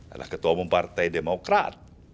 adalah ketua umum partai demokrat